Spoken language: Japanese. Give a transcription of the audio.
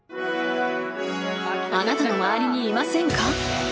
［あなたの周りにいませんか？］